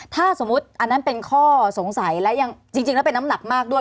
ถ้าสมมุติอันนั้นเป็นข้อสงสัยและยังจริงแล้วเป็นน้ำหนักมากด้วย